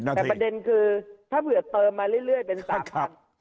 แต่ประเด็นคือถ้าเผื่อเติมมาเรื่อยเป็น๓๐๐บาท